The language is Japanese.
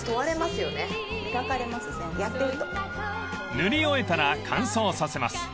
［塗り終えたら乾燥させます］